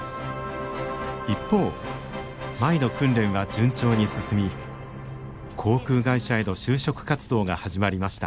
一方舞の訓練は順調に進み航空会社への就職活動が始まりました。